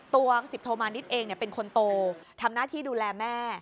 ๑๐โทมานิดเองเป็นคนโตทำหน้าที่ดูแลแม่